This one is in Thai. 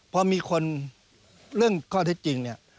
พอมีคนเรื่องข้อเท็จจริงเนี่ย